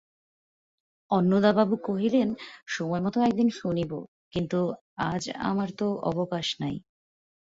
অন্নদাবাবু কহিলেন, সময়মত একদিন শুনিব, কিন্তু আজ আমার তো অবকাশ নাই।